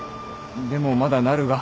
でもまだなるが。